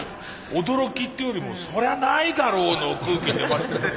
驚きっていうよりもそりゃないだろうの空気。